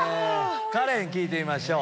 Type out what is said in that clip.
カレンに聞いてみましょう。